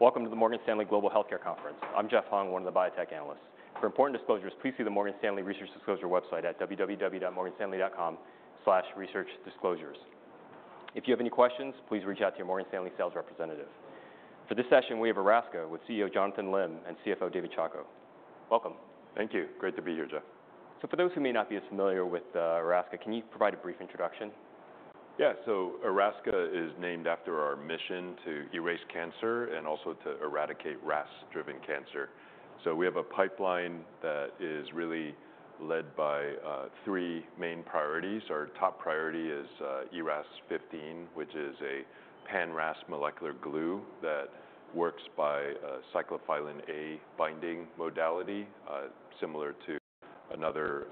Welcome to the Morgan Stanley Global Healthcare Conference. I'm Jeff Hung, one of the biotech analysts. For important disclosures, please see the Morgan Stanley Research Disclosure website at www.morganstanley.com/researchdisclosures. If you have any questions, please reach out to your Morgan Stanley sales representative. For this session, we have Erasca, with CEO, Jonathan Lim, and CFO, David Chacko. Welcome. Thank you. Great to be here, Jeff. So for those who may not be as familiar with Erasca, can you provide a brief introduction? Yeah. So Erasca is named after our mission to erase cancer and also to eradicate RAS-driven cancer. So we have a pipeline that is really led by three main priorities. Our top priority is ERAS-0015, which is a pan-RAS molecular glue that works by cyclophilin A binding modality, similar to another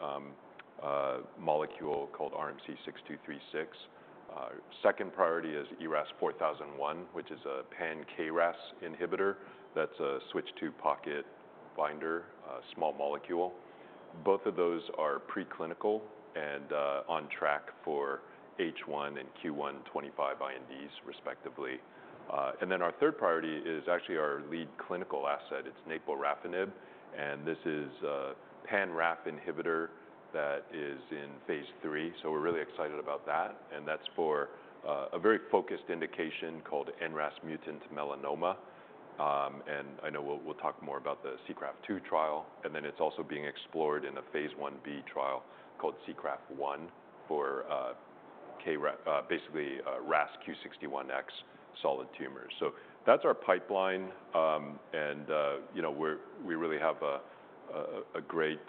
molecule called RMC-6236. Second priority is ERAS-4001, which is a pan-KRAS inhibitor. That's a switch-II pocket binder, a small molecule. Both of those are preclinical and on track for H1 and Q1 2025 INDs, respectively. And then our third priority is actually our lead clinical asset, it's naporafenib, and this is a pan-RAF inhibitor that is in phase III, so we're really excited about that, and that's for a very focused indication called NRAS-mutant melanoma. I know we'll talk more about the SEACRAFT-2 trial, and then it's also being explored in a phase I-B trial called SEACRAFT-1 for KRAS, basically, RAS Q61X solid tumors. So that's our pipeline, and you know, we really have a great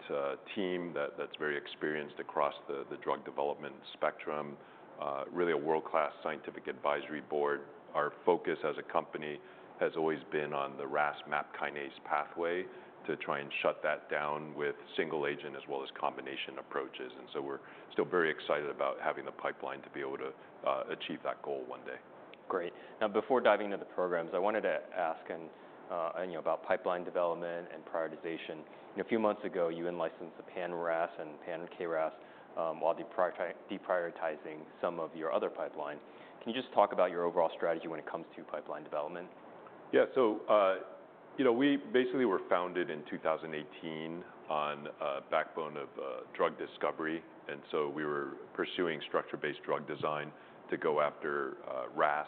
team that's very experienced across the drug development spectrum. Really a world-class scientific advisory board. Our focus as a company has always been on the RAS/MAPK pathway, to try and shut that down with single agent as well as combination approaches, and so we're still very excited about having the pipeline to be able to achieve that goal one day. Great. Now, before diving into the programs, I wanted to ask, and, you know, about pipeline development and prioritization. You know, a few months ago, you in-licensed the pan-RAS and pan-KRAS, while deprioritizing some of your other pipelines. Can you just talk about your overall strategy when it comes to pipeline development? Yeah. So, you know, we basically were founded in 2018 on a backbone of drug discovery, and so we were pursuing structure-based drug design to go after RAS.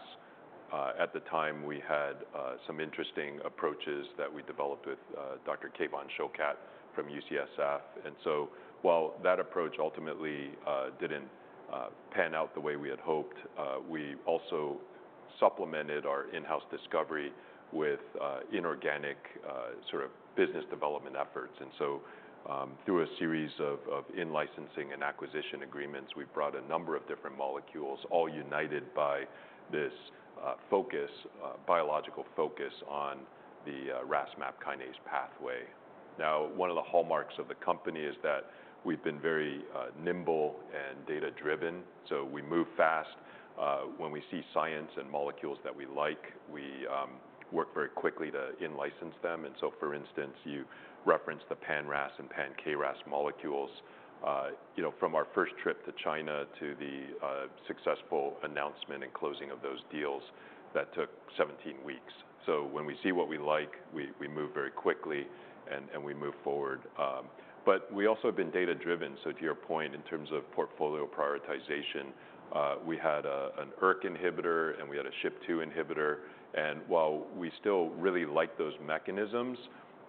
At the time, we had some interesting approaches that we developed with Dr. Kevan Shokat from UCSF. And so, while that approach ultimately didn't pan out the way we had hoped, we also supplemented our in-house discovery with inorganic sort of business development efforts. And so, through a series of in-licensing and acquisition agreements, we've brought a number of different molecules, all united by this biological focus on the RAS/MAPK pathway. Now, one of the hallmarks of the company is that we've been very nimble and data-driven, so we move fast. When we see science and molecules that we like, we work very quickly to in-license them, and so, for instance, you referenced the pan-RAS and pan-KRAS molecules. You know, from our first trip to China to the successful announcement and closing of those deals, that took 17 weeks, so when we see what we like, we move very quickly and we move forward. But we also have been data-driven, so to your point, in terms of portfolio prioritization, we had an ERK inhibitor, and we had a SHP2 inhibitor, and while we still really like those mechanisms,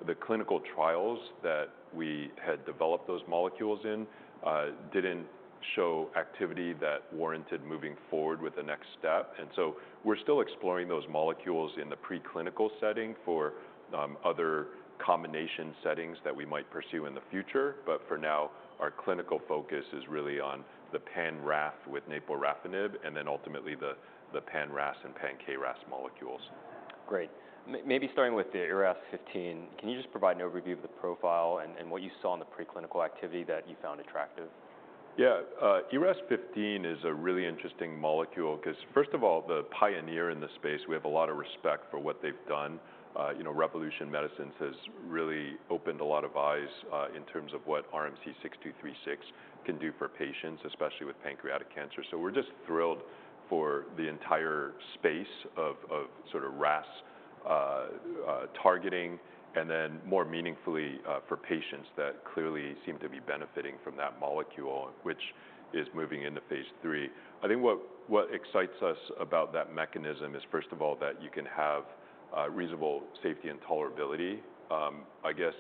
the clinical trials that we had developed those molecules in didn't show activity that warranted moving forward with the next step. And so we're still exploring those molecules in the preclinical setting for other combination settings that we might pursue in the future, but for now, our clinical focus is really on the pan-RAF with naporafenib, and then ultimately, the pan-RAS and pan-KRAS molecules. Great. Maybe starting with the ERAS‑0015, can you just provide an overview of the profile and what you saw in the preclinical activity that you found attractive? Yeah, ERAS‑0015 is a really interesting molecule, 'cause first of all, the pioneer in this space, we have a lot of respect for what they've done. You know, Revolution Medicines has really opened a lot of eyes, in terms of what RMC-6236 can do for patients, especially with pancreatic cancer. So we're just thrilled for the entire space of sort of RAS targeting, and then more meaningfully, for patients that clearly seem to be benefiting from that molecule, which is moving into phase III. I think what excites us about that mechanism is, first of all, that you can have reasonable safety and tolerability. I guess,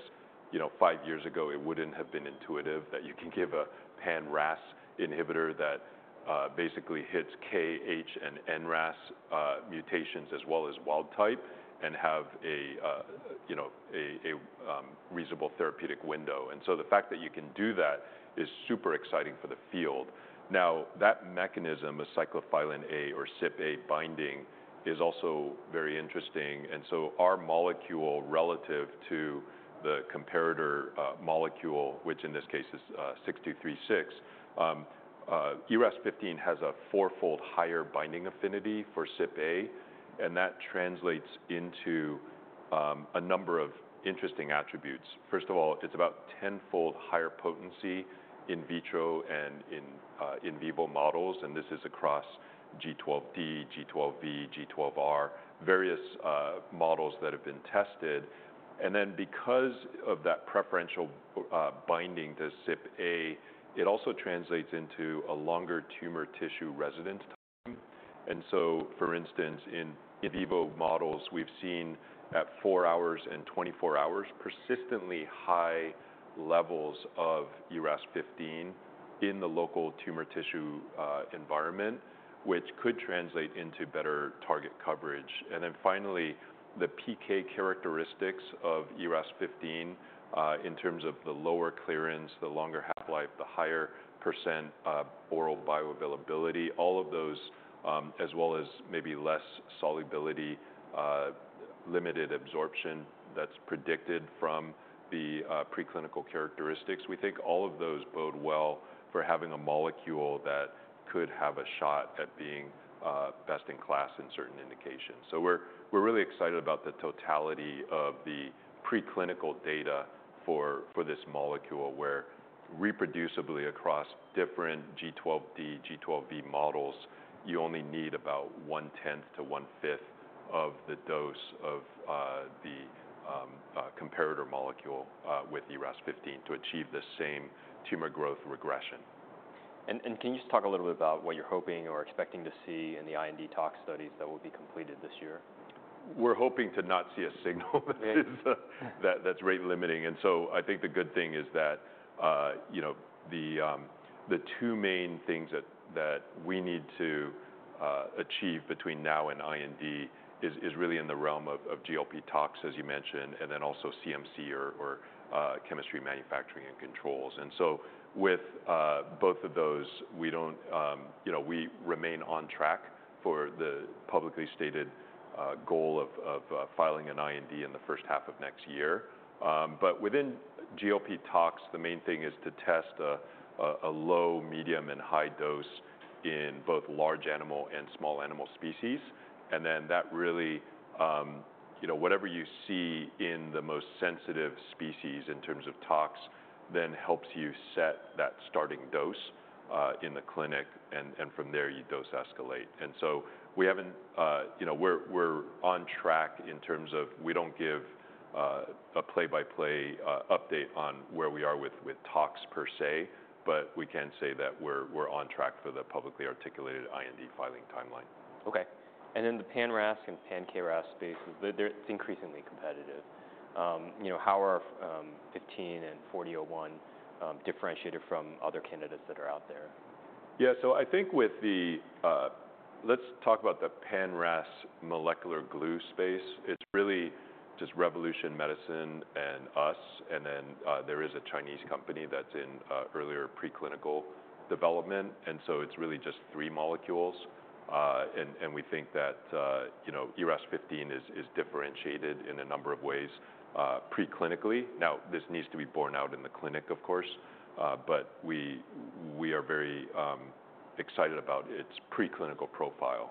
you know, five years ago, it wouldn't have been intuitive that you can give a pan-RAS inhibitor that basically hits K, H, and N RAS mutations, as well as wild type, and have a you know, a reasonable therapeutic window. And so the fact that you can do that is super exciting for the field. Now, that mechanism, a cyclophilin A or CYPA binding, is also very interesting. And so our molecule, relative to the comparator molecule, which in this case is RMC-6236, ERAS‑0015 has a fourfold higher binding affinity for CYPA, and that translates into a number of interesting attributes. First of all, it's about tenfold higher potency in vitro and in vivo models, and this is across G12D, G12V, G12R, various models that have been tested. And then because of that preferential binding to CYPA, it also translates into a longer tumor tissue residence time. And so, for instance, in vivo models, we've seen at four hours and 24 hours, persistently high levels of ERAS‑0015 in the local tumor tissue environment, which could translate into better target coverage. And then finally, the PK characteristics of ERAS‑0015 in terms of the lower clearance, the longer half-life, the higher percent of oral bioavailability, all of those, as well as maybe less solubility limited absorption that's predicted from the preclinical characteristics. We think all of those bode well for having a molecule that could have a shot at being best-in-class in certain indications. We're really excited about the totality of the preclinical data for this molecule, where reproducibly across different G12D, G12V models, you only need about 1/10 to 1/5 of the dose of the comparator molecule with ERAS‑0015 to achieve the same tumor growth regression. Can you just talk a little bit about what you're hoping or expecting to see in the IND tox studies that will be completed this year? We're hoping to not see a signal. Yeah.... that is, that's rate limiting. And so I think the good thing is that, you know, the two main things that we need to achieve between now and IND is really in the realm of GLP tox, as you mentioned, and then also CMC or chemistry, manufacturing, and controls. And so with both of those, we don't... you know, we remain on track for the publicly stated goal of filing an IND in the first half of next year. But within GLP tox, the main thing is to test a low, medium, and high dose in both large animal and small animal species. And then that really, you know, whatever you see in the most sensitive species in terms of tox, then helps you set that starting dose in the clinic, and, and from there, you dose escalate. And so we haven't. You know, we're, we're on track in terms of we don't give a play-by-play update on where we are with tox per se, but we can say that we're, we're on track for the publicly articulated IND filing timeline. Okay. And then the pan-RAS and pan-KRAS spaces, they're, it's increasingly competitive. You know, how are ERAS-0015 and ERAS-4001 differentiated from other candidates that are out there? Yeah, so I think with the. Let's talk about the pan-RAS molecular glue space. It's really just Revolution Medicines and us, and then there is a Chinese company that's in earlier preclinical development, and so it's really just three molecules. And we think that, you know, ERAS‑0015 is differentiated in a number of ways, preclinically. Now, this needs to be borne out in the clinic, of course, but we are very excited about its preclinical profile,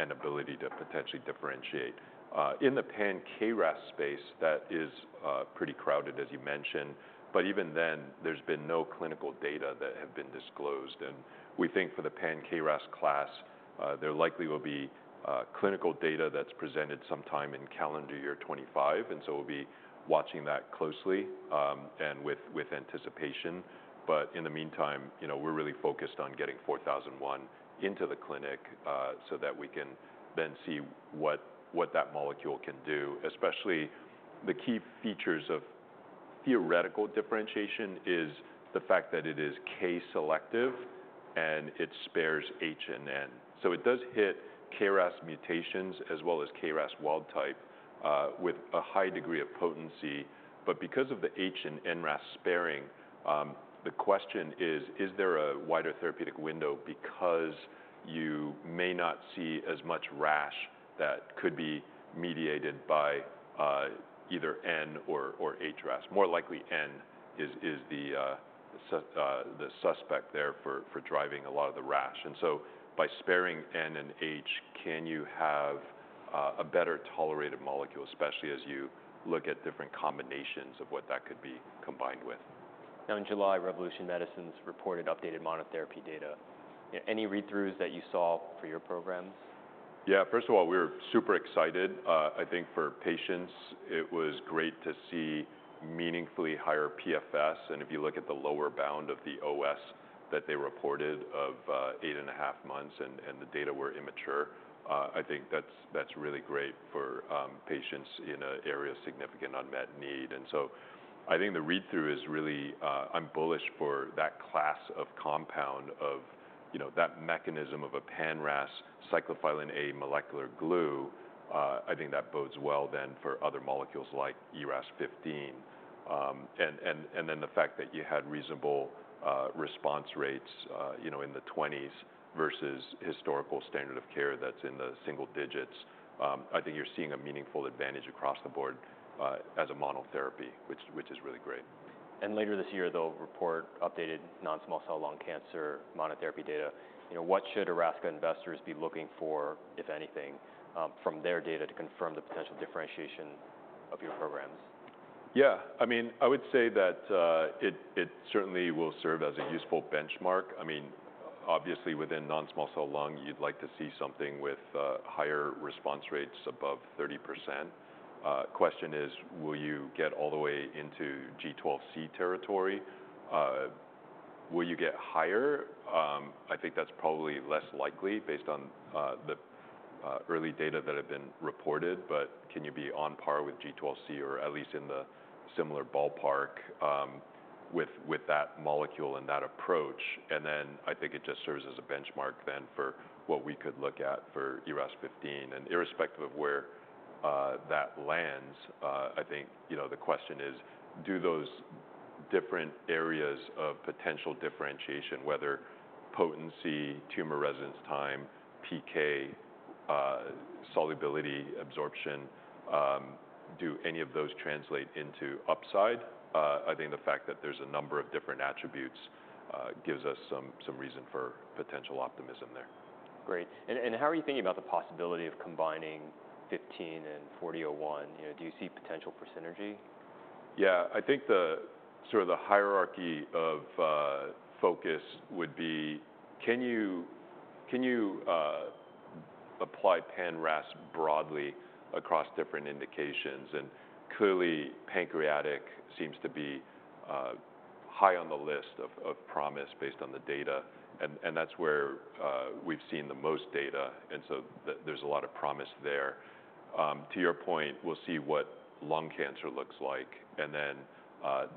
and ability to potentially differentiate. In the pan-KRAS space, that is pretty crowded, as you mentioned, but even then, there's been no clinical data that have been disclosed. And we think for the pan-KRAS class, there likely will be clinical data that's presented sometime in calendar year 2025, and so we'll be watching that closely, and with anticipation. But in the meantime, you know, we're really focused on getting ERAS-4001 into the clinic, so that we can then see what that molecule can do. Especially, the key features of theoretical differentiation is the fact that it is K selective, and it spares H and N. So it does hit KRAS mutations, as well as KRAS wild type, with a high degree of potency. But because of the H and NRAS sparing, the question is: Is there a wider therapeutic window? Because you may not see as much rash that could be mediated by either N or HRAS. More likely, N is the suspect there for driving a lot of the rash. And so by sparing N and H, can you have a better tolerated molecule, especially as you look at different combinations of what that could be combined with? Now, in July, Revolution Medicines reported updated monotherapy data. Any read-throughs that you saw for your programs? Yeah. First of all, we were super excited. I think for patients, it was great to see meaningfully higher PFS, and if you look at the lower bound of the OS that they reported of eight and a half months, and the data were immature, I think that's really great for patients in an area of significant unmet need. And so I think the read-through is really. I'm bullish for that class of compound of, you know, that mechanism of a pan-RAS cyclophilin A molecular glue. I think that bodes well then for other molecules like ERAS‑0015. And then the fact that you had reasonable response rates, you know, in the twenties versus historical standard of care that's in the single digits. I think you're seeing a meaningful advantage across the board, as a monotherapy, which is really great. Later this year, they'll report updated non-small cell lung cancer monotherapy data. You know, what should Erasca investors be looking for, if anything, from their data to confirm the potential differentiation of your programs?... Yeah, I mean, I would say that it certainly will serve as a useful benchmark. I mean, obviously within non-small cell lung, you'd like to see something with higher response rates above 30%. The question is, will you get all the way into G12C territory? Will you get higher? I think that's probably less likely based on the early data that have been reported, but can you be on par with G12C, or at least in the similar ballpark with that molecule and that approach? And then I think it just serves as a benchmark then for what we could look at for ERAS‑0015. Irrespective of where that lands, I think, you know, the question is: do those different areas of potential differentiation, whether potency, tumor residence time, PK, solubility, absorption, do any of those translate into upside? I think the fact that there's a number of different attributes gives us some reason for potential optimism there. Great. And how are you thinking about the possibility of combining ERAS-0015 and ERAS-4001? You know, do you see potential for synergy? Yeah. I think the sort of hierarchy of focus would be, can you apply pan-RAS broadly across different indications? And clearly, pancreatic seems to be high on the list of promise based on the data, and that's where we've seen the most data, and so there's a lot of promise there. To your point, we'll see what lung cancer looks like, and then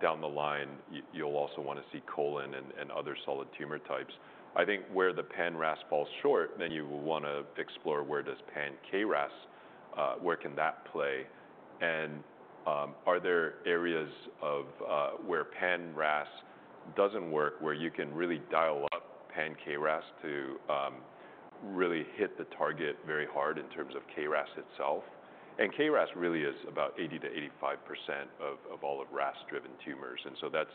down the line, you'll also wanna see colon and other solid tumor types. I think where the pan-RAS falls short, then you will wanna explore where pan-KRAS can play. And are there areas where pan-RAS doesn't work, where you can really dial up pan-KRAS to really hit the target very hard in terms of KRAS itself. And KRAS really is about 80%-85% of all of RAS-driven tumors, and so that's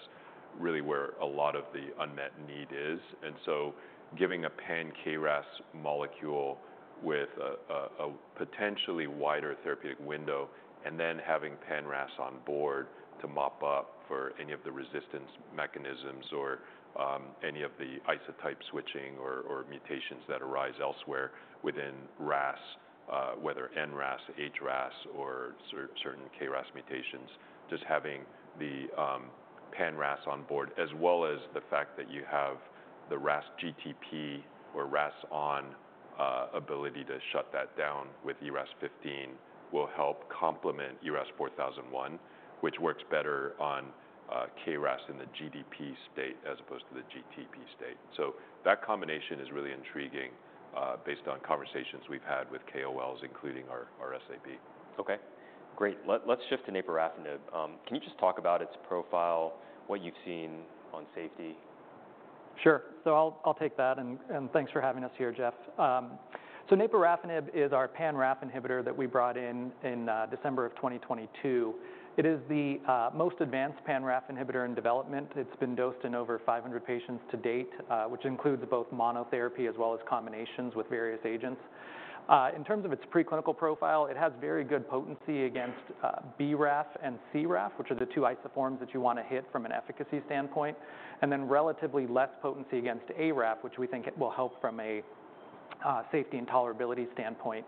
really where a lot of the unmet need is. And so giving a pan-KRAS molecule with a potentially wider therapeutic window, and then having pan-RAS on board to mop up for any of the resistance mechanisms or any of the isoform switching or mutations that arise elsewhere within RAS, whether NRAS, HRAS, or certain KRAS mutations. Just having the pan-RAS on board, as well as the fact that you have the RAS GTP or RAS on ability to shut that down with ERAS‑0015 will help complement ERAS-4001, which works better on KRAS in the GDP state as opposed to the GTP state. So that combination is really intriguing, based on conversations we've had with KOLs, including our SAB. Okay, great. Let's shift to naporafenib. Can you just talk about its profile, what you've seen on safety? Sure. So I'll take that, and thanks for having us here, Jeff. So naporafenib is our pan-RAF inhibitor that we brought in in December of 2022. It is the most advanced pan-RAF inhibitor in development. It's been dosed in over five hundred patients to date, which includes both monotherapy as well as combinations with various agents. In terms of its preclinical profile, it has very good potency against BRAF and CRAF, which are the two isoforms that you wanna hit from an efficacy standpoint, and then relatively less potency against ARAF, which we think it will help from a safety and tolerability standpoint.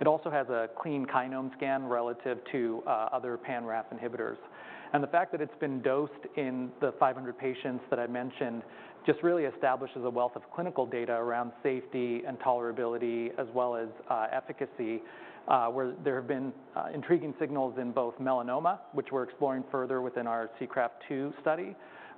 It also has a clean kinome scan relative to other pan-RAF inhibitors. And the fact that it's been dosed in the 500 patients that I mentioned just really establishes a wealth of clinical data around safety and tolerability, as well as efficacy where there have been intriguing signals in both melanoma, which we're exploring further within our SEACRAFT-2 study,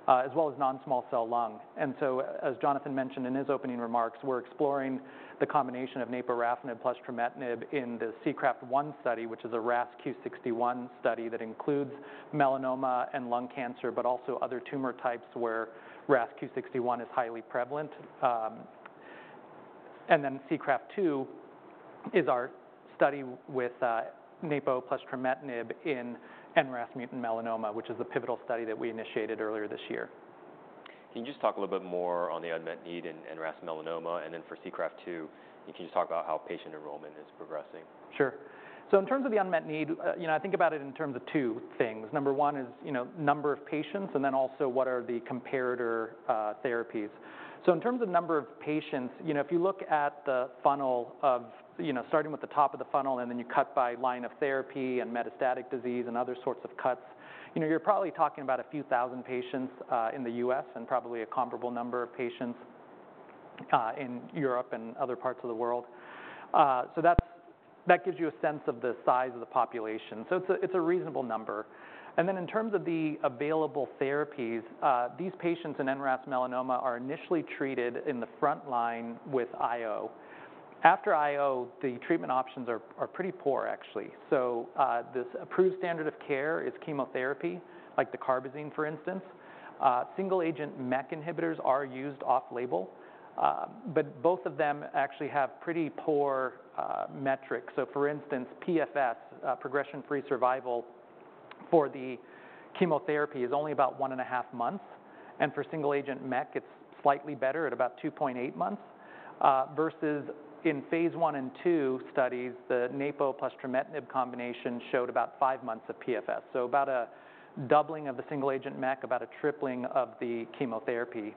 as well as non-small cell lung. And so as Jonathan mentioned in his opening remarks, we're exploring the combination of naporafenib plus trametinib in the SEACRAFT-1 study, which is a RAS Q61X study that includes melanoma and lung cancer, but also other tumor types where RAS Q61X is highly prevalent. And then SEACRAFT-2 is our study with naporafenib plus trametinib in NRAS-mutant melanoma, which is the pivotal study that we initiated earlier this year. Can you just talk a little bit more on the unmet need in NRAS melanoma, and then for SEACRAFT-2, can you just talk about how patient enrollment is progressing? Sure. So in terms of the unmet need, you know, I think about it in terms of two things. Number one is, you know, number of patients, and then also what are the comparator therapies. So in terms of number of patients, you know, if you look at the funnel of. You know, starting with the top of the funnel, and then you cut by line of therapy and metastatic disease and other sorts of cuts, you know, you're probably talking about a few thousand patients in the U.S. and probably a comparable number of patients in Europe and other parts of the world. So that gives you a sense of the size of the population, so it's a reasonable number. And then in terms of the available therapies, these patients in NRAS melanoma are initially treated in the front line with IO. After IO, the treatment options are pretty poor, actually. So, this approved standard of care is chemotherapy, like dacarbazine, for instance. Single-agent MEK inhibitors are used off-label, but both of them actually have pretty poor metrics. So for instance, PFS, progression-free survival for the chemotherapy is only about one and a half months, and for single-agent MEK, it's slightly better at about two point eight months... versus in phase I and II studies, the naporafenib plus trametinib combination showed about five months of PFS. So about a doubling of the single-agent MEK, about a tripling of the chemotherapy.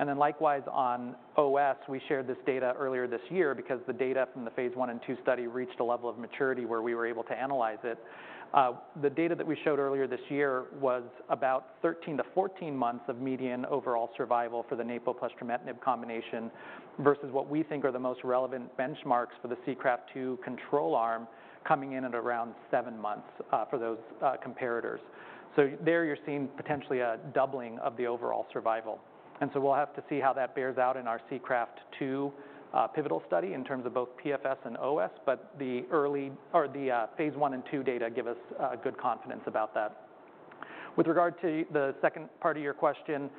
And then likewise on OS, we shared this data earlier this year because the data from the phase I and II study reached a level of maturity where we were able to analyze it. The data that we showed earlier this year was about 13 to 14 months of median overall survival for the naporafenib plus trametinib combination, versus what we think are the most relevant benchmarks for the SEACRAFT-2 control arm, coming in at around 7 months for those comparators. So there you're seeing potentially a doubling of the overall survival, and so we'll have to see how that bears out in our SEACRAFT-2 pivotal study in terms of both PFS and OS, but the early phase I and II data give us good confidence about that. With regard to the second part of your question,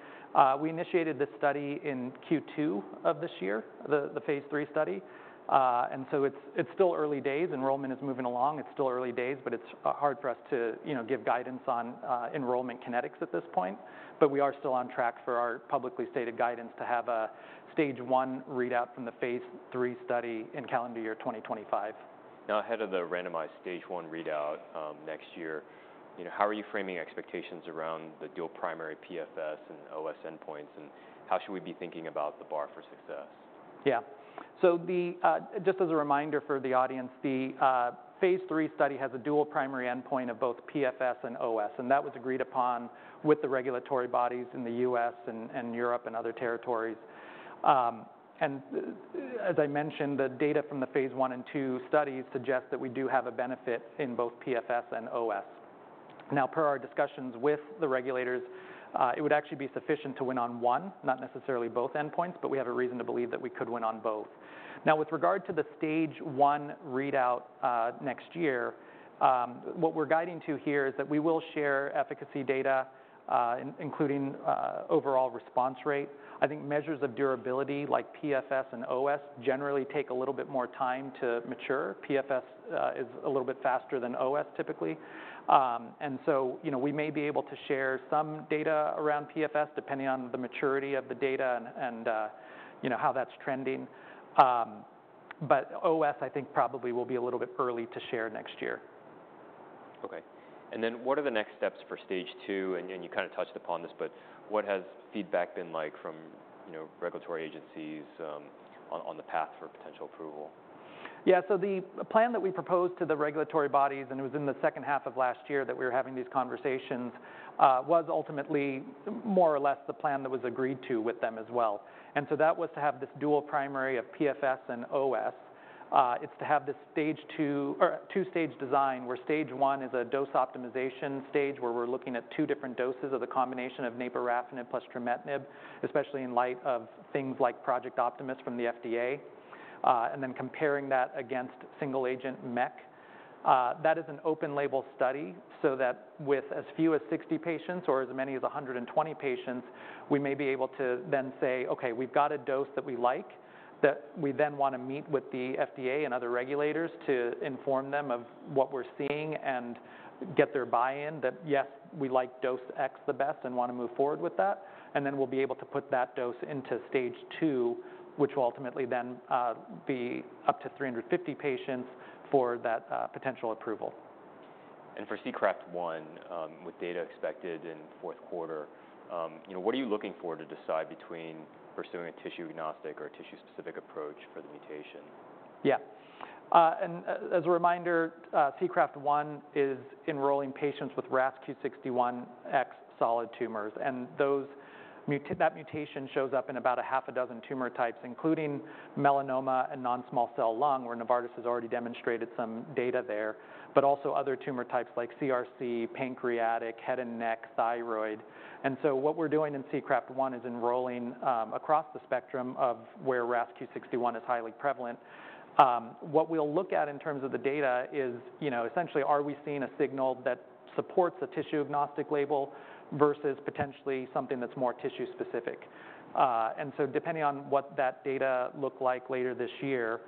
we initiated this study in Q2 of this year, the phase III study, and so it's still early days. Enrollment is moving along. It's still early days, but it's hard for us to, you know, give guidance on enrollment kinetics at this point, but we are still on track for our publicly stated guidance to have a Stage I readout from the phase III study in calendar year 2025. Now, ahead of the randomized Stage I readout, next year, you know, how are you framing expectations around the dual primary PFS and OS endpoints, and how should we be thinking about the bar for success? Yeah. So, just as a reminder for the audience, the phase III study has a dual primary endpoint of both PFS and OS, and that was agreed upon with the regulatory bodies in the U.S. and Europe and other territories. And as I mentioned, the data from the phase I and II studies suggest that we do have a benefit in both PFS and OS. Now, per our discussions with the regulators, it would actually be sufficient to win on one, not necessarily both endpoints, but we have a reason to believe that we could win on both. Now, with regard to the Stage I readout next year, what we're guiding to here is that we will share efficacy data, including overall response rate. I think measures of durability, like PFS and OS, generally take a little bit more time to mature. PFS is a little bit faster than OS, typically, and so, you know, we may be able to share some data around PFS, depending on the maturity of the data and you know, how that's trending, but OS, I think, probably will be a little bit early to share next year. Okay. And then what are the next steps for Stage II? And you kinda touched upon this, but what has feedback been like from, you know, regulatory agencies, on the path for potential approval? Yeah. So the plan that we proposed to the regulatory bodies, and it was in the second half of last year that we were having these conversations, was ultimately more or less the plan that was agreed to with them as well, and so that was to have this dual primary of PFS and OS. It's to have this Stage II or two-stage design, where Stage I is a dose optimization stage, where we're looking at two different doses of the combination of naporafenib plus trametinib, especially in light of things like Project Optimus from the FDA, and then comparing that against single-agent MEK. That is an open label study, so that with as few as 60 patients or as many as 120 patients, we may be able to then say, "Okay, we've got a dose that we like," that we then wanna meet with the FDA and other regulators to inform them of what we're seeing and get their buy-in that, "Yes, we like dose X the best and wanna move forward with that." And then we'll be able to put that dose into Stage II, which will ultimately then be up to 350 patients for that, potential approval. For SEACRAFT-1, with data expected in the fourth quarter, you know, what are you looking for to decide between pursuing a tissue-agnostic or a tissue-specific approach for the mutation? Yeah. And as a reminder, SEACRAFT-1 is enrolling patients with RAS Q61X solid tumors, and those that mutation shows up in about a half a dozen tumor types, including melanoma and non-small cell lung, where Novartis has already demonstrated some data there, but also other tumor types like CRC, pancreatic, head and neck, thyroid. And so what we're doing in SEACRAFT-1 is enrolling across the spectrum of where RAS Q61X is highly prevalent. What we'll look at in terms of the data is, you know, essentially, are we seeing a signal that supports a tissue-agnostic label versus potentially something that's more tissue specific? And so depending on what that data look like later this year,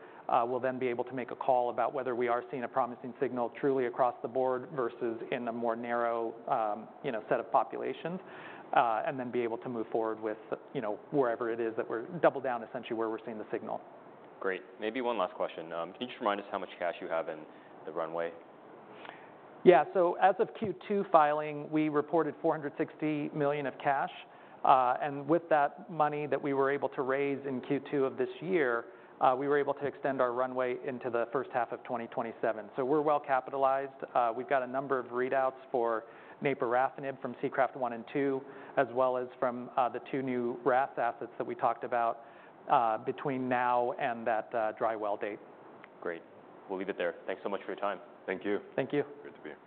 we'll then be able to make a call about whether we are seeing a promising signal truly across the board versus in a more narrow, you know, set of populations. And then be able to move forward with, you know, wherever it is that we're double down, essentially, where we're seeing the signal. Great. Maybe one last question. Can you just remind us how much cash you have in the runway? Yeah. So as of Q2 filing, we reported $460 million of cash. And with that money that we were able to raise in Q2 of this year, we were able to extend our runway into the first half of 2027. So we're well capitalized. We've got a number of readouts for naporafenib from SEACRAFT-1 and SEACRAFT-2, as well as from the two new RAS assets that we talked about, between now and that dry well date. Great. We'll leave it there. Thanks so much for your time. Thank you. Thank you. Good to be here.